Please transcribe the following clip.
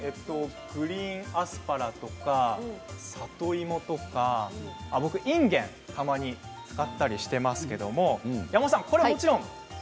グリーンアスパラとか里芋とか僕、いんげんたまに使ったりしてますけどこれはもちろん。